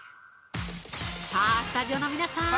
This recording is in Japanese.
さあ、スタジオの皆さん